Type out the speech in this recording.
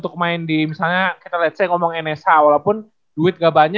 kode nya itu udah wangi wangi